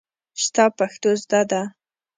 ستا پښتو زده ده.